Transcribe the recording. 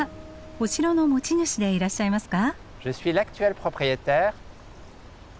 お城の持ち主でいらっしゃいますか？